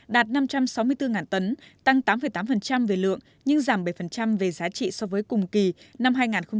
đạt năm trăm sáu mươi bốn tấn tăng tám tám về lượng nhưng giảm bảy về giá trị so với cùng kỳ năm hai nghìn một mươi chín